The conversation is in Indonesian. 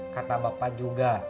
kata bapak juga